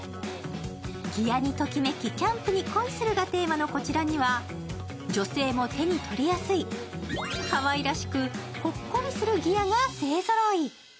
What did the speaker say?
ギアにときめき、キャンプに恋するがテーマのこちらには女性も手に取りやすい、かわいらしくほっこりするギアが勢ぞろい。